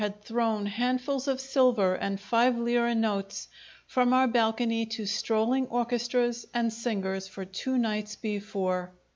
had thrown handfuls of silver and five lire notes from our balcony to strolling orchestras and singers for two nights before.